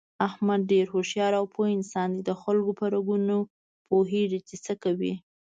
احمد ډېر هوښیار او پوه انسان دی دخلکو په رګونو پوهېږي، چې څه کوي...